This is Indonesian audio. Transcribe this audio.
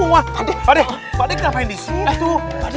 ustadz dia kemana tuh